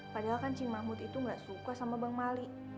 padahal kan cimanggut itu gak suka sama bang mali